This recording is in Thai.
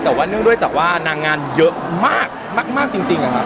แต่ว่าเนื่องด้วยจากว่านางงานเยอะมากมากจริงนะครับ